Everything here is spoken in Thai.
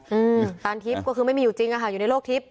อืมตานทิพย์ก็คือไม่มีอยู่จริงอ่ะค่ะอยู่ในโลกทิพย